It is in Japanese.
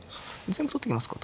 全部取っときますか。